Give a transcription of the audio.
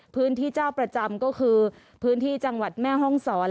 เจ้าประจำก็คือพื้นที่จังหวัดแม่ห้องศร